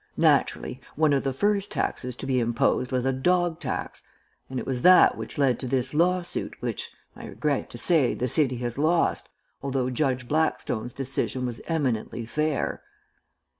Naturally, one of the first taxes to be imposed was a dog tax, and it was that which led to this lawsuit, which, I regret to say, the city has lost, although Judge Blackstone's decision was eminently fair."